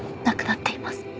亡くなっています。